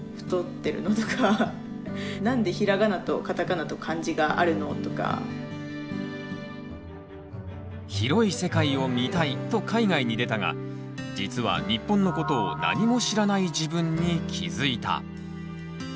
ノルウェー行った時に広い世界を見たいと海外に出たが実は日本のことを何も知らない自分に気付いた。